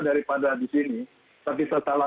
daripada di sini tapi setelah